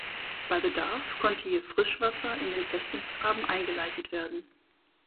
Bei Bedarf konnte hier Frischwasser in den Festungsgraben eingeleitet werden.